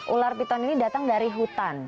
ular piton ini datang dari hutan